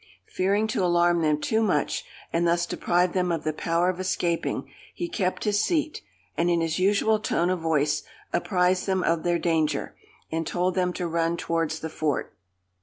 Fearing to alarm them too much, and thus deprive them of the power of escaping, he kept his seat; and, in his usual tone of voice, apprised them of their danger, and told them to run towards the fort.